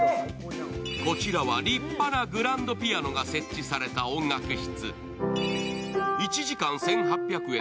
こちらは立派なグランドピアノが設置された音楽室。